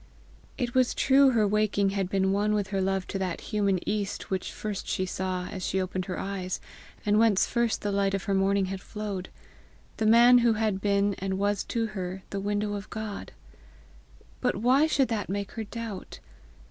It was true her waking had been one with her love to that human East which first she saw as she opened her eyes, and whence first the light of her morning had flowed the man who had been and was to her the window of God! But why should that make her doubt?